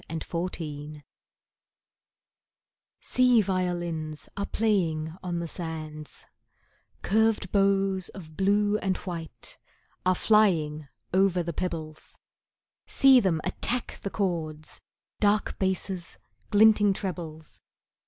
[Pg 129] BLUE WATER Sea violins are playing on the sands; Curved bows of blue and white are flying over the pebbles, See them attack the chords—dark basses, glinting trebles.